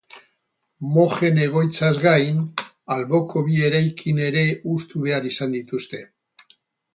Mojen egoitzaz gain, alboko bi erakin ere hustu behar izan dituzte.